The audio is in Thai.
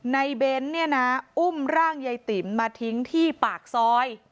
ในเบ้นอุ้มร่างเย้ติ๋มมาทิ้งที่ปากซอย